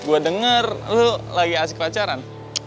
gue denger lo lagi asik pacaran